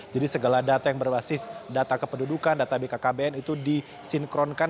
jadi segala data yang berbasis data kepedudukan data bkkbn itu disinkronkan